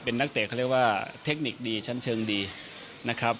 เป็นนักเตะเขาเรียกว่าเทคนิคดีชั้นเชิงดีนะครับ